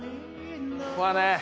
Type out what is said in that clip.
ここはね